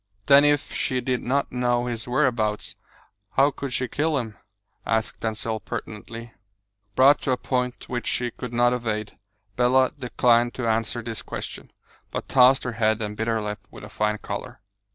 "Then if she did not know his whereabouts, how could she kill him?" asked Denzil pertinently. Brought to a point which she could not evade, Bella declined to answer this question, but tossed her head and bit her lip, with a fine colour.